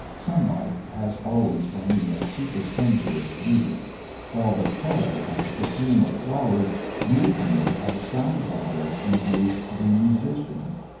Sunlight has always for me a supersensuous beauty, while the colour and perfume of flowers move me as sound vibrations move the musician.